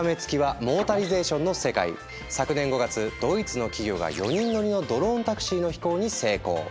昨年５月ドイツの企業が４人乗りのドローンタクシーの飛行に成功。